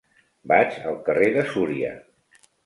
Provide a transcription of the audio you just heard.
Vaig al carrer de Súria.